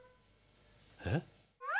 えっ？